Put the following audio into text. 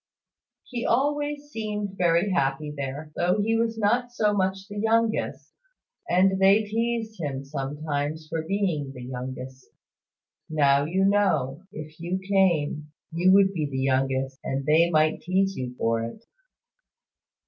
"He always seemed very happy there, though he was so much the youngest. And they teased him sometimes for being the youngest. Now you know, if you came, you would be the youngest, and they might tease you for it."